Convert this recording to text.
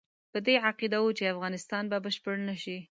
په دې عقیده وو چې افغانستان به بشپړ نه شي.